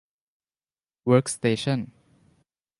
เวิร์คสเตชั่น